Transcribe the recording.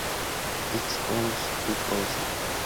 It also borders the districts of Ilford and Goodmayes.